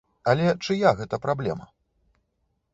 Але чыя гэта праблема?